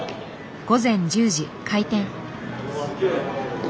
午前１０時開店。